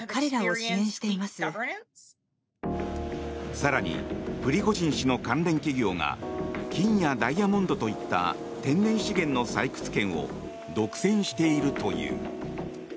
更にプリゴジン氏の関連企業が金やダイヤモンドといった天然資源の採掘権を独占しているという。